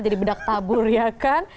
jadi bedak tabur ya kan